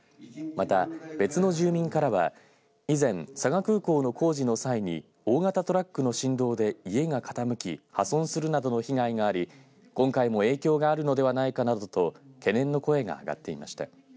また、別の住民からは以前佐賀空港の工事の際に大型トラックの振動で家が傾き破損するなどの被害があり今回も影響があるのではないかなどと懸念の声が上がっていました。